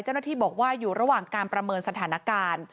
เจ้าหน้าที่บอกว่าอยู่ระหว่างการประเมินสถานการณ์